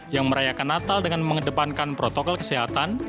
yang merayakan natal dengan mengedepankan protokol kesehatan